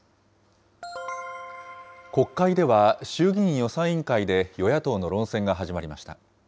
国会では衆議院予算委員会で与野党の論戦が始まりました。